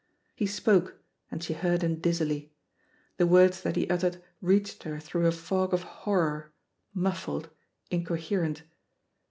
He spoke, and sfie heard him dizzily; the words that he uttered reached her through a fog of horror, muflBed, in coherent.